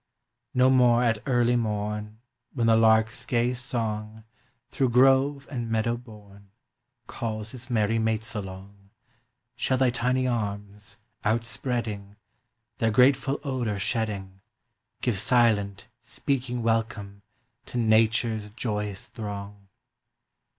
No more at early morn, When the lark’s gay song, Through grove and meadow borne, Calls his merry mates along, Shall thy tiny arms, outspreading, Their grateful odour shedding, Give silent, speaking welcome to Nature’s joyous throng!